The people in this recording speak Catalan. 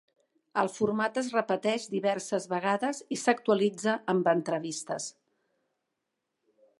El format es repetix diverses vegades i s'actualitza amb entrevistes.